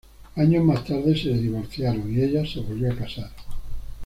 Años más tarde se divorciaron y ella se volvió a casar.